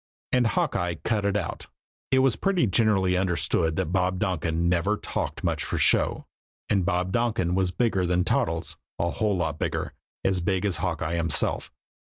And Hawkeye "cut it out." It was pretty generally understood that Bob Donkin never talked much for show, and Bob Donkin was bigger than Toddles, a whole lot bigger, as big as Hawkeye himself.